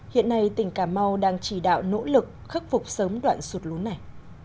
hiện nay tỉnh cà mau đang chỉ đạo nỗ lực khắc phục sớm đoạn sụt lún này